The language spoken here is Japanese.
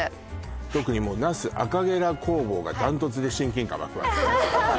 特にもう那須あかげら工房がダントツで親近感湧くわね